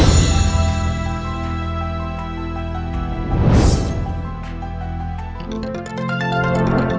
ในฐาน